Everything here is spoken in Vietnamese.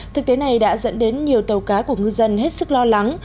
thực tế này đã dẫn đến nhiều tàu cá của ngư dân hết sức lo lắng